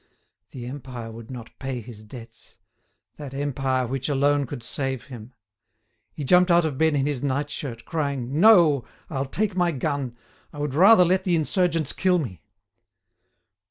The Empire would not pay his debts—that Empire which alone could save him. He jumped out of bed in his night shirt, crying: "No; I'll take my gun; I would rather let the insurgents kill me."